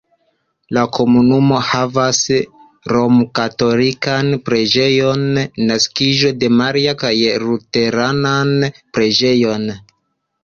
La komunumo havas romkatolikan preĝejon Naskiĝo de Maria kaj luteranan preĝejon.